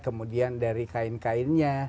kemudian dari kain kainnya